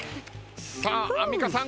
さあアンミカさん